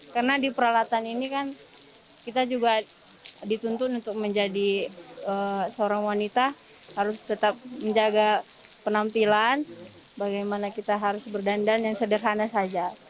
karena di peralatan ini kan kita juga dituntun untuk menjadi seorang wanita harus tetap menjaga penampilan bagaimana kita harus berdandan yang sederhana saja